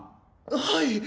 はい！